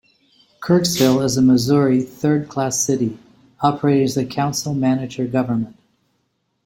Kirksville is a Missouri Third-Class city, operating as a council-manager government.